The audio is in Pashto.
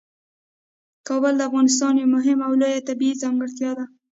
کابل د افغانستان یوه مهمه او لویه طبیعي ځانګړتیا ده.